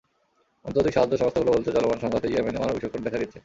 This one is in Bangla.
আন্তর্জাতিক সাহায্য সংস্থাগুলো বলছে, চলমান সংঘাতে ইয়েমেনে মানবিক সংকট দেখা দিয়েছে।